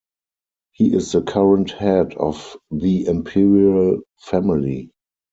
He is the current head of the imperial family.